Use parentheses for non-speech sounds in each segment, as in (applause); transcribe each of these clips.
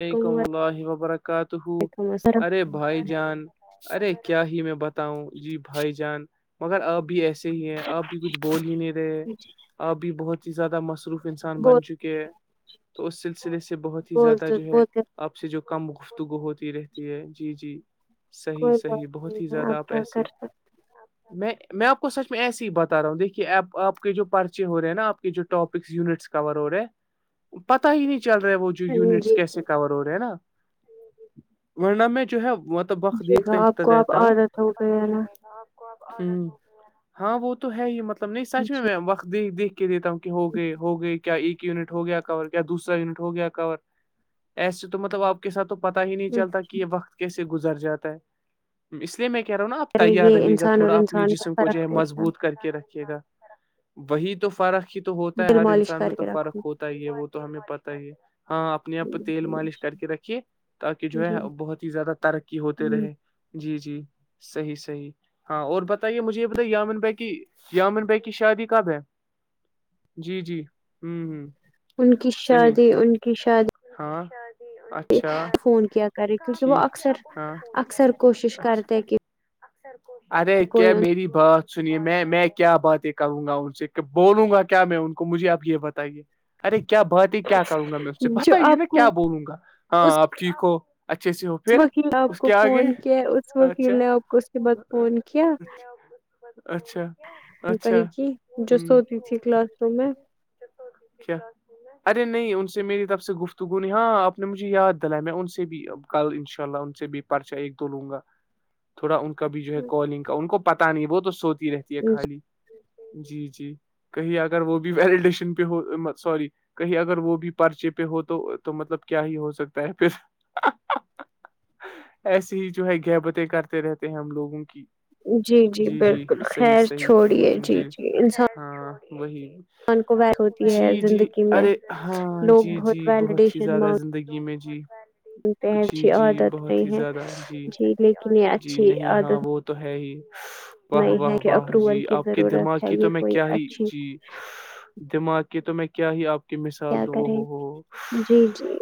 وعلیکم اللہ وبرکاتہ وعلیکم ارے السلام بھائی جان ارے کیا ہی میں بتاؤں جی بھائی جان مگر آپ بھی ایسے ہی ہے آپ بھی کچھ بول ہی نہیں رہے آپ بھی بہت ہی زیادہ مصروف انسان بول بن چکے ہے تو اس سلسلے سے بہت ہی زیادہ بولتے جو ہے بولتے آپ سے جو کم گفتگو ہوتی رہتی ہے جی جی صحی کوئی بات صحی بہت نہیں ہی ہے زیادہ آپ کیا ایسے کر سکتے میں میں آپ کو سچ میں ایسے ہی بتا رہا ہوں دیکھیے آپ آپ کے جو پرچے ہو رہے ہیں نا آپ کے جو ٹاپکس یونٹس کور ہو رہے پتا ہی نہیں چل رہا وہ جو ہیں یونٹس جی کیسے جی ہو رہے ہیں نا ورنم میں جو ہے وہت تو وقت جی آپ دیکتاتا کو آپ رہتا ہوں عادت ہو پ گئی ہے نا چلے گا ہوں ہاں وہ تو ہے ہی مطلب نہیں سچ میں میں جی وقت دیکھ دیکھ کے دیتا ہوں ہو گئے ہو گئے کیا ایک یونٹ ہو گیا کور کیا دوسرا یونٹ ہو گیا کور ایسے تو مطلب آپ کے ساتھ تو پتا ہی نہیں چلتا کہ یہ وقت کیسے گزر جاتا ہے اس لیے میں کہہ رہا ہوں نا آپ ارے تیار یہ رہیے گا انسان اور تھوڑا اپنے انسان کا جسم کو جو فرق ہے ہوتا مضبوط کر کے رکھیے گا وہی تو فرق ہی تو ہوتا ہے دل ہر مالش انسان میں کر تو کے رکھو فرق ہوتا پ ہی ہے وہ تو ہمیں پتتا ہی ہے ہاں اپنی تیل جی مالش کر کے رکھیے تاکہ جو جی ہے بہت ہی زیادہ ترقی ہوتے ہ رہے جی جی صحیح صحیح ہاں اور بتائیے مجھے یہ بتائیے یامن بھائی کی یامن بھائی کی شادی کب ہے جی جی ہوں ہوں ان کی شادی ان کی شادی ہاںچ فون کیا کرے کیونکہ وہ اکثر اکثر کوشش کرتے کہ ارے کوئی کیا میری بات سنیے میں میں کیا باتیں کروں گا ان سے کہ بولوں گا کیا میں ان کو مجھے آپ یہ بتائیے ارے کیا بات ہے کیا کروں گا میں اس سے جو بتائیے نا آپ کو کیا بولوں گا اس ہاں آپ ٹھیک ہو اچھے سے ہو پھر وکیل نے آپ اس کو کے آگے فون کیا اس اچھا وکیل نے آپ کو اس کے بعد فون کیا اچھا کہیں کی جو سوتی تھی کلاس روم میں کیا ارے نہیں ان سے میری طرف سے گفتگو ہاں آپ نے مجھے یاد دلایا میں ان سے بھی کل ان شاء اللہ ان سے بھی پرچہ ایک دو لوں گا تھوڑا ان کا بھی جو ہے کالنگ کا ان کو پت نہیں وہ تو سوتی رہتی ہے خالی جی جی کہیں اگر وہ بھی ویلیڈیشن پہ ہو سوری کہیں اگر وہ بھی پرچے پہ پہ ہو تو تو مطلب کیا ہی ہو سکتا ہے پ ایسے ہی جو ہے گہبتیں کرتے رہتے ہیں ہم لوگوں کی جی جی بالکل خیر چھوڑیے جی جی انسان ہاں وہی کو ویل ہوتی ہے جی جی زندگی میں ارے ہاں جی جی جی بہت ہی زیادہ زندگی میں جی س جی اچھی جی عادت بہت نہیں ہی ہے زیادہ جی لیکن یہ جی اچھی نہیں ہاں عادت وہ تو ہے ہی واہ نہیں ہے واہ کہ واہ اپروول جی کی آپ کے دماغ ضرورت ہے کی یہ تو میں کوئی کیا ہی اچھی جی دماغ کی تو میں کیا ہی آپ کی کیا مثال دو کریں ہو ہو جی جی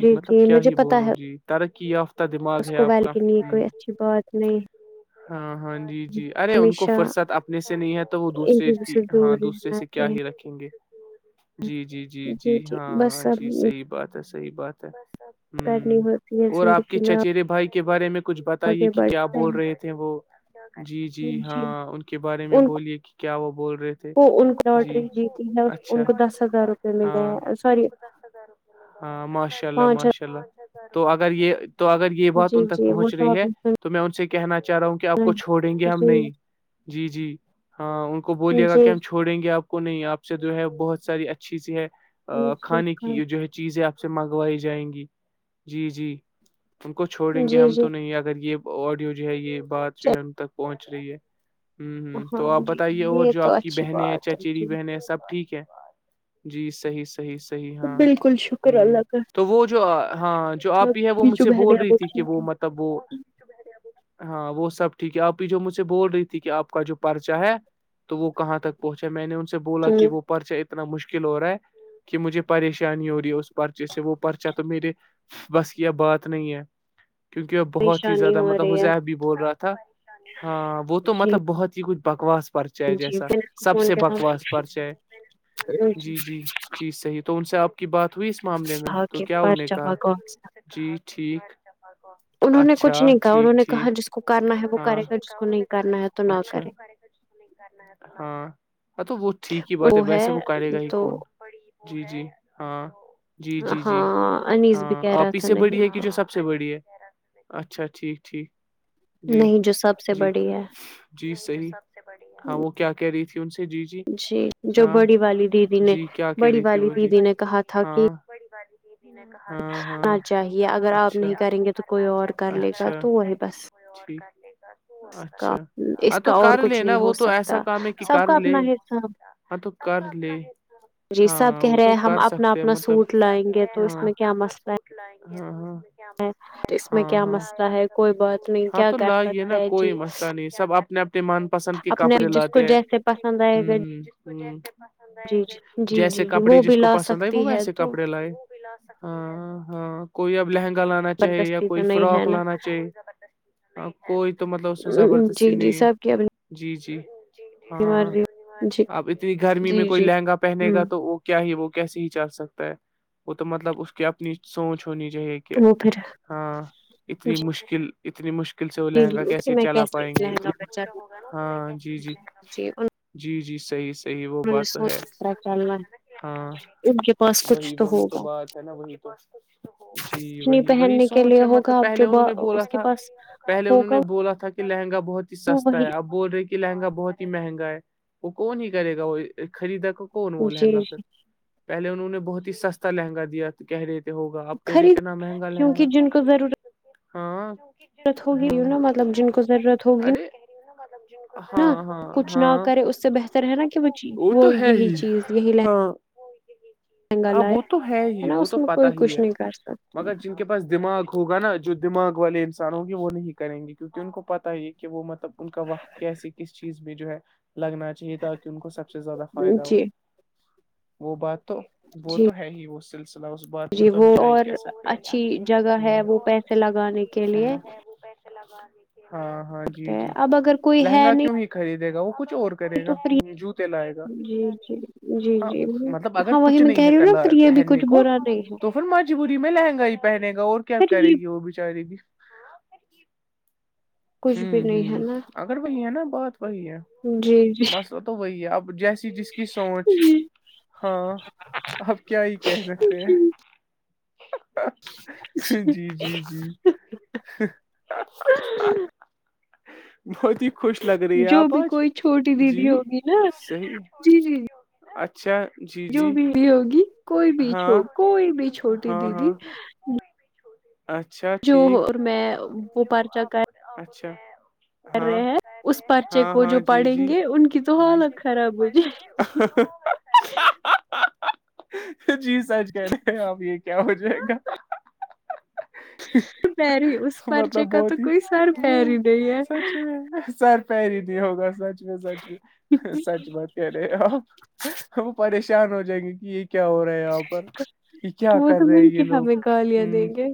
جی جی مطلب کیا مجھے ہی پتا بولوں ہے جی ترقی یافتہ دماغ اس ہے آپ کوبائل کا کے لیے کوئی ہ اچھی بہت نہیں ہاں ہاں جی ہے جی ارے ان کو ہمیشہ فرصت اپنے سے نہیں ہے تو وہ ان دوسرے چیزوں کی سے دور ہاں دوسرے رہنا سے کیا ہی چاہیے رکھیں گے جی جی جی جی ہاں جی صحیح بات ہے صحیح بات ہے کرنی ہوں ہوتی ہے اور آپ کی زندگی میں چچرے بھائی کے بارے میں کچھ بتائیے آگے کہ کیا بڑھتے بول ہیں رہے تھے وہ جی جی ہاں ان کے بارے میں بولیے کہ کیا وہ بول رہے تھے وہ ان کو جی لاٹری جیتی ہے اچھا ان کو دس ہزار روپئے ملے ہاں ہیں سور ہاں ماشاء اللہ ماشاء اللہ تو اگر یہ تو اگر یہ ہزار بات جی ان تک جی وہ پہنچ تو رہی آپ ہے نے سنا تو میں ان سے کہنا چاہ رہا ہوں کہ آپ ہے کو چھوڑیں گے ہم جی نہیں جی جی ہاں کو بولیے گا کہ جی ہم چھوڑیں گے آپ کو نہیں آپ سے جو ہے بہت ساری اچھی سی ہے جی کھانے کی جو ہے چیزیں آپ سے منگوائی جائیں گی جی جی ان کو چھوڑیں گے جی ہم جی تو نہیں اگر یہ آڈیو جو ہے یہ بات چل جو ہے ہم تک پہنچ رہی ہے ہوں ہ ہاں تو آپ جی بتائیے اور یہ جو تو آپ کی اچھی بہنیں ہیں بات ہے چچیری جی بہنیں ہیں سب ٹھیک ہیں جی صحیح صحیح صحیح ہاں بالکل شکر ہ اللہ کا تو وہ جو ہاں جو جو سب آپ ہی ہے وہ ٹھیک مجھ جو سے بہن بول ہے رہی تھی کہ ٹھیک وہ مطلب وہ ہاں وہ سب ٹھیک ہے آپ بھی جو مجھ سے بول رہی تھی کہ آپ کا جو پرچہ ہے تو وہ کہاں تک پہنچا میں نے ان سے بولا کہ ہے وہ پرچہ اتنا مشکل ہو رہا ہے کہ مجھے پریشانی کیا نہیں ہو رہی ہے اس پرچے سے وہ پرچا تو میرے بس یہ بات نہیں ہے کیونکہ وہ بہت ہی پریشانی زیادہ ہو مطلب رہی ہے حزب بھی بول رہا تھا ہاں وہ تو جی مطلب بہت ہی کچھ بکواس پرچ ہے جی جیسا پھر اس کو سب فون سے بکواس پرچ ہے کیا جی جی چیز صحیح تو تو ان سے آپ کی بات ہوئی اس معاملے میں تھا تو کہ کیا ان نے پرچا کہا بکواس جی ٹھیک انہوں نے اچھا کچھ نہیں کہا انہوں ٹھیک نے ٹھیک کہا جس کو کرنا ہے وہ ہاں کرے گا جس کو نہیں کرنا ہے تو نہ اچھا کرے ہاں ہاں تو وہ ٹھیک ہی بات ہے ویسے وہ کرے گا ہی تو کون جی جی ہاں جی جی جی ہاں انیس بھی ہاں کہہ آپ رہا اس تھا سے بڑی نہیں ہے کہ تو جو سب سب سے بڑی ہے اچھا ٹھیک ٹھیک جی نہیں جو سب سے جی بڑی ہے جی صحیح ہاں وہ کیا کہہ رہی تھی ان سے جی جی جی جو ہاں بڑی والی دیدی نے جی بڑی والی دیدی نے کہا تھا کہ بڑی باری نا چاہیے اگر آپ اچھا نہیں کریں گے تو کوئی اور کر لے گا تو وہی بس کرے گا کا اچھا اس ہاں تو کا اور کر لے کچھ نا نہیں وہ ہو تو ایسا سکتا کام ہے کہ سب کر کا لے اپنا حساب ہاں تو کر لے جی سب ہاں کہہ وہ رہے تو ہیں ہم کر اپنا سکتے ہیں اپنا مطلب سوٹ لائیں گے تو اس میں کیا مسئلہ ہے لائ (unintelligible) اس میں ہاں کیا ہاں مسئلہ ہے کوئی بات نہیں ہاں کیا تو کر لائیے سکتا نا ہے کوئی جی مسئلہ نہیں سب آپ اپنے اپنے من پسند کے اپنے کپڑے جس کو لاتے ہیں جیسے پسند آئے گا ہ ہ ہ جی جی جی جیسے جی جی کپڑے وہ جس بھی کو لا پسند آئے وہ سکتی ہے ویسے تو کپڑے لائے ہاں ہاں کوئی اب لہنگا لانا چاہے یا زبردستی کوئی تو نہیں ہے فراک نا لانا چاہے ہاں کوئی تو مطلب اس میں جی زبردستی جی نہیں ہے سب کی اپنی جی جی ہاں مرضی جی اب اتنی گرمی میں جی کوئی جی لہنگا پہنے ہوں گا تو کیا ہی وہ کیسے ہی چل سکتا ہے وہ تو مطلب اس کی اپنی سوچ ہونی چاہیے کہ تو پھر ہاں اتنی مشکل اتنی مشکل سے وہ جی جی جی لہنگا اسی کیسے میں چلا پائیں گے لہنگا بچا ہاں جی جی جی انہوں جی جی صحیح صحیح وہ نے بات تو سوچ ہے کر چلنا ہے ہاں ان کے پاس کچھ وہی وہی تو ہوگا بات ہے نا وہی تو جی کچھ نہیں وہی وہی پہننے کے سوچ لیے ہے ہوگا مطلب اب پہلے جو انہوں نے بولا اس کے تھا پاس پہلے انہوں ہوگا نے بولا تھا کہ لہنگا بہت ہی وہ سستا وہی ہے اپ بول رہے کہ کہ لہنگا بہت ہی مہنگا ہے وہ کون ہی کرے گا وہ خریدا کو کون وہ جی لہنگا پھر جی پہلے انہوں نے بہت ہی سستا لہنگا دیا تھا کہہ رہے تھ ہوگا آپ کہہ رہی خرید اتنا مہنگا لہن کیونکہ گا ہاں ض ہوگی ی نا مطلب جن کو ضرورت ہوگی نا مطلب جو نا ہاں ہاں کچھ نہ ہاں کرے اس سے بہتر ہے نا کہ وہ تو ہے یہی ہی چیز یہی ہاں لہنگا ہاں لائے وہ تو ہے ہی نا وہ اس تو میں پتہ کوئی ہی کچھ ہے نہیں کر سکتا مگر ج کے پاس دماغ ہوگ نا جو دماغ والے انسان ہوگی وہ نہیں کریں گے کیونکہ ان کو پتا یہ کہ وہ مطلب ان کا وقت کیسے کس چیز میں جو ہے لگنا اہ تاکہ ان کو سب سے زیادہ فائدہ ہو جی وہ بات تو وہ جی تو ہے ہی وہ سلسلہ بات میں جی تو وہ ہم کیا ہی اور کہہ سکتے اچھی جگہ ہیں ہے ہوں وہ پیسے لگانے کے لیے ہاں ہاں جی جی اب اگر کوئی ہے لہنگا کیوں نہیں ہی خریدے گا وہ کچھ اور کرے تو گا پھر جوتے لائے گا جی جی جی ہاں جی مطلب اگر ہاں وہی کچھ میں کہہ نہیں ہے رہی ہوں نا پھر کلر یہ بھی پہننے کچھ کو برا نہیں ہے تو پھر مجبوری میں لہنگائی پہنے گا اور کیا پھر کرے یہ گی وہ بچاری بھی کچھ بھی ہوں نہیں ہے ہوں نا اگر وہی ہے نا بہت وہی ہے جی جی مسئلہ تو وہی ہے اب جیسی جس کی سوچ ہاں آپ کیا ہی کہہ سکتے ہیں جی جی جی بہت کنی خوش لگ رہی ہے جو آپ بھی آج کوئی چھوٹی جی دیدی ہوگی نا صحیح جی جی اچھا جی جو جی بھی بھی ہوگی کوئی بھی ہاں چو کوئی بھی چھوٹی ہاں دیدی ہاں اچھا جو ٹھیک اور میں وہ پرچہ اچھا کر ہاں رہے ہیں اس پرچے ہاں کو ہاں جو جی پڑھیں جی گے ان کی تو جی حالت خراب ہو جائے گی (unintelligible) جی سچ کہ رہے ہیں آپ یہ کیا ہو جائے گا پہ رہی اس مطلب پرچے کا تو بہت ہی کوئی سر پیر ہی نہیں سچ ہے میں سر پری ہی نہیں ہوگا سچ میں سچ میں سچ بات کہہ رہے آپ ہم پریشانی پان ہو جائیں گے کہ یہ کیا ہو رہا یہاں پر یہ کیا وہ کر تو رہے مل یہ کے لوگ ہمیں گالیاں دیں خی گے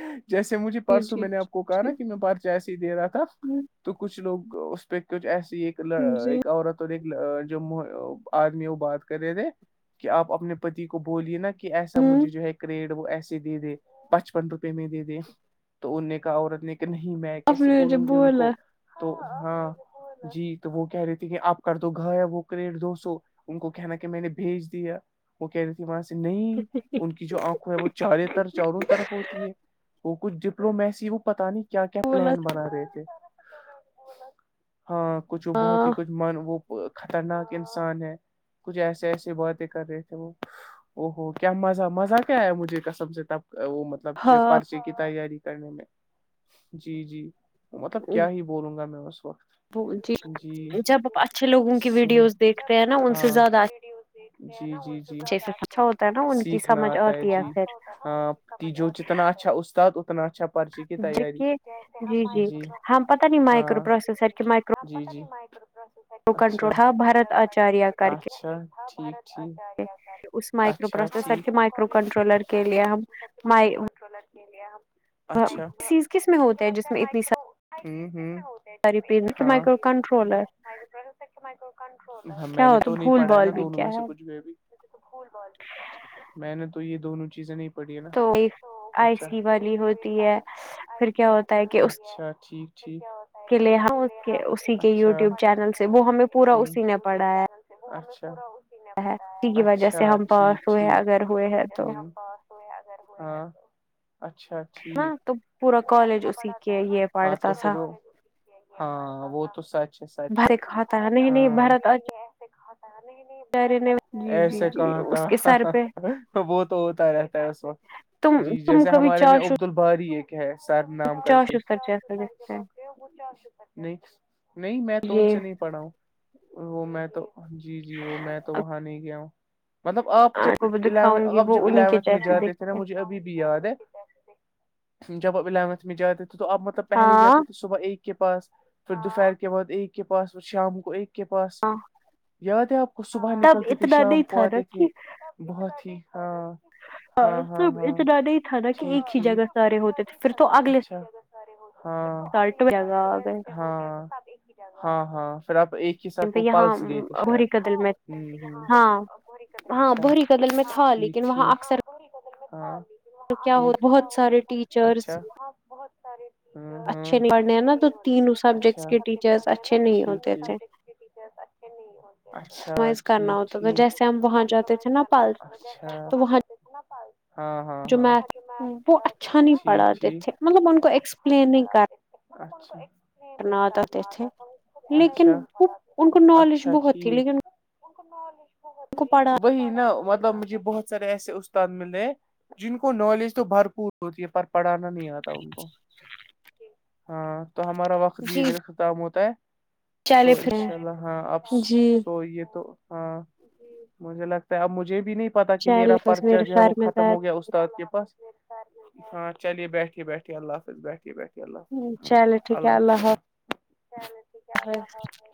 گیا جیسے مجھے جی پرسوں جی میں نے آپ کو کہا جی نا کہ میں پرچ ایسے ہی دے رہا تھا تو کچھ لوگ اس پہ کچھ ایسی ایک ہوں، جی ایک عورت تو جو آدمی وہ بات کر رہے تھے کہ آپ اپنے پتی کو بولیے نا کہ ایسا ہوں مجھے جو ہے کریڈ وہ ایسے دے دے پچپن روپے میں دے دے تو ان نے کہا عورت نے کہ نہیں میں آپ کیسے نے مجھے بولوں گی ان بولا کو تو ہاں جی تو وہ کہہ رہی تھے کہ آپ کا تو گھر ہے وہ کریٹ دو سو ان کو کہنا کہ میں نے بھیج دیا وہ کہ رہی ت وہاں سے نہیں ان کی جو آنکھوں ہے وہ چار طر چاروں طرف ہوتی ہے وہ کچھ ڈپلومیسی وہ پتا نہیں کیا کیا بولا پلان تھا۔ بنا رہے تھے ہاں کچھ وہ بہت ہاں ہی کچھ من وہ خطرناک انسان ہے کچھ ایسے ایسی باتیں کر رہے تھے وہ او ہو کیا مزہ مزہ کیا ہے مجھے کسب سے تب وہ مطلب مطلب جو ہاں پرچے کی تیاری کرنے میں جی جی مطلب کیا ہی بولوں گا میں اس وقت جی جب آ اچھے لوگوں کی صحیح ویڈیوز دیکھتے ہیں نا ان سے ہاں زیادہ اچ جی جی جی اچھے سے اچھا ہوتا ہے نا ان کی سمجھ آتی ہے پھر کہ جو جتنا اچھا استاد اتنا اچھا پرچی کی تیاری دیکھیے جی جی ہاں پتا نہیں مائکرو پروسیسر کے مائکرو جی جی تو کنٹرول تھا بارت آچاریہ کر کے سر ٹھیک ٹھیک اس مائکرو پروسیسر کے مائکرو کنٹرولر کے لیے ہم (unintelligible) (unintelligible) چیز کس میں ہوتا ہے جس میں اتنی س ہوں ہوں سری پ میکرو کنٹرولر میں کیا نے ہو تو نہیں بھول پڑا نا بھال بھی دونوں کیا میں سے ہے کچھ بھی بھی میں نے تو یہ دونوں چیزیں نہیں پڑھی تو آئی سی والی ہوتی ہے پھر کیا ہوتا ہے کہ اس چھ کیا ہو کے لیے اسی کے یو ٹیوب چینل سے وہ ہمیں پورا اسی نے پڑھا ہے (inaudible) اسی کی وجہ سے ہے ہم اسی پاس ہوئے ہیں اگر ہوئے ہیں تو ہوار اچھا تو پورا کالج اسی کے یہ ہاں پڑھتا تو تھا پھر وہ ہاں وہ تو سچ ہے سچ بھرے کاتتا ہے نہیں نہیں بارت آ ٹان جی جی ایسے جی کہتا اس کے سر پہ وہ تو ہوتا رہتا ترس تو جیسے ہمارے میں عبد ال باری ایک ہے سر نام کر کے چاشو سر جیسا دکھتے ہیں نہیں نہیں میں تو ان یہ سے نہیں پڑھا ہوں وہ میں تو جی جی وہ میں تو وہاں نہیں گیا ہوں مطلب آپ جب کو دکھاؤں گی آپ وہ جب انہیں کے الیونتھ میں جیسے جاتے تھے نا دیکھتے مجھے ابھی بھی یاد ہے جب آپ الیونتھ میں جاتے تھے تو آپ مطلب پہلے ہی ہاں جاتے تھے صبح ایک کے پاس پھر دوپہر کے بعد ایک کے پاس شام کو ایک کے پاس ہاں یاد ہے آپ کو صبح تب نکلتے تھے اتنا شام نہیں کو تھا نا آتے تھے بہت ہی ہاں ہاں ہاں سب ہاں اتنا نہیں تھا نا کہ ٹھیک ایک ہی ٹھیک جگہ سارے ہوتے تھے پھر تو اگلے اچھا ہاں اگ سالٹ سال جگہ آ گئے ہاں ہاں ہاں پھر آپ ایک ہی ساتھ وہ پلس گئے تھے یہاںور شاید کدل میں ہوں ہوں ہاں ہاں بری کدل میں تھا لیکن وہاں اکثر کوی بتل میںی تو کیا ہو بہت سارے ٹیچرس ہاں بہت سارے چی اچھے نہیں پڑھنے ہیں نا تو تینوں سبجیکٹس کے ٹیچرس اچھے نہیں ٹھیک ہوتے تھے (inaudible) ز کرنا ٹھیک ہوتا تھا ٹھیک جیسے ہم وہاں جاتے تھے نا پال تو وہاں اچھا ہاں ہاں جو ہاں میتھ وہ اچھا نہیں پڑھاتے تھے مطلب نا ان کو ایکسپلین نہیں کر (inaudible) نا آتے تھے وہ لیکن ان کو نالج بہت تھی لیکن کو پڑھا وہی نا مطلب مجھے بہت سارے ایسے استاد ملے ہیں جن کو نالج تو بھرپور ہوتی ہے پر پڑھانا نہیں آتا ان کو ہاں تو ہمارا وقت جی بھی جو اختام ہوتا ہے تو چلے ان پھر شاء اللہ ہاں آپ جی سو یہ تو ہاں مجھے لگتا ہے اب مجھے بھی نہیں پتا کہ میرا چلے بس پرچہ میرے جو ہے وہ سر میں درد ختم ہو گیا اس استاد کے پاس ہاں چلیے بیٹھیے بیٹھیے اللہ حافظ بیٹھیے بیٹے چلو ٹھیک ہے اللہ حافظ (inaudible)